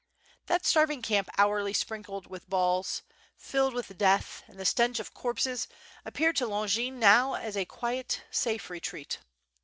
That starving camp hourly sprinkled witti ballls, filled with death, and the stench of corpses, appeared to Longin now as a quiet, safe retreat.